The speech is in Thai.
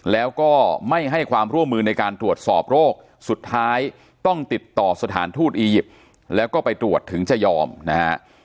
แล้วก็ไม่ให้ความร่วมมือในการตรวจสอบโรคสุดท้ายต้องติดต่อสถานทูตอียิปต์แล้วก็ไปตรวจถึงจะยอมนะฮะ